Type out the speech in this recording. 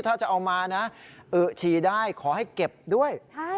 ถ้าจะเอามานะฉี่ได้ขอให้เก็บด้วย